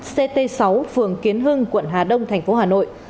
ct sáu phường kiến hưng quận hà đông tp hà nội